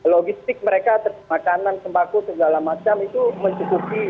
logistik mereka makanan sembako segala macam itu mencukupi